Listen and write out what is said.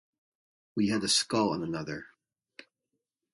We had a skull on another.